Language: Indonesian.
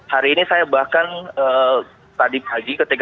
hari ini saya bahkan tadi pagi ketika